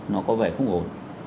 nó có vẻ không ổn